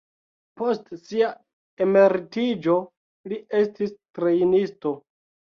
Post sia emeritiĝo, li estis trejnisto.